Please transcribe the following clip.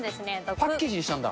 パッケージにしたんだ。